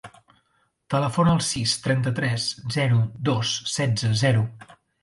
Telefona al sis, trenta-tres, zero, dos, setze, zero.